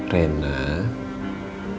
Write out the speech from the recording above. rena tetap harus sekolah